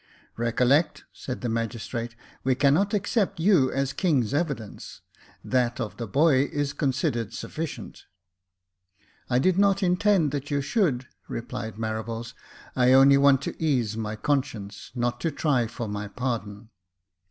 Recollect," said the magistrate, " we cannot accept you as king's evidence ; that of the boy is considered sufficient." " I did not intend that you should," replied Marables. " I only want to ease my conscience, not to try for my pardon."